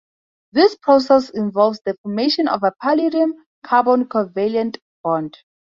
This process involves the formation of a palladium-carbon covalent bond.